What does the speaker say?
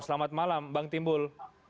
selamat malam bang timbul